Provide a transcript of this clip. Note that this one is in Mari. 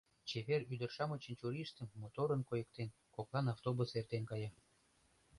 Чевер ӱдыр-шамычын чурийыштым моторын койыктен, коклан автобус эртен кая.